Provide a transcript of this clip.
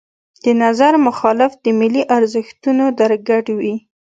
د نظر مخالف د ملي ارزښتونو درګډ وي.